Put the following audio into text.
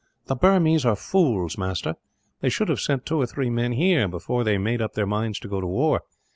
"The Burmese are fools, master. They should have sent two or three men here, before they made up their minds to go to war.